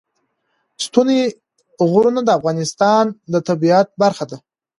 ستوني غرونه د افغانستان د طبیعت برخه ده.